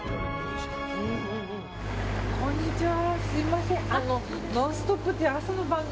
こんにちは。